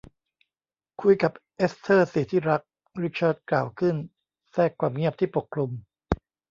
คุยกับเอสเธอร์สิที่รัก ริชาร์ดกล่าวขึ้นแทรกความเงียบที่ปกคลุม